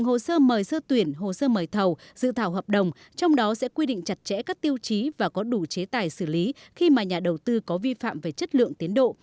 hồ sơ mời sơ tuyển hồ sơ mời thầu dự thảo hợp đồng trong đó sẽ quy định chặt chẽ các tiêu chí và có đủ chế tài xử lý khi mà nhà đầu tư có vi phạm về chất lượng tiến độ